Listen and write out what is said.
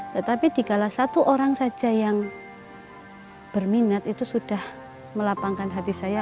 tetapi dikala satu orang saja yang berminat itu sudah melapangkan hati saya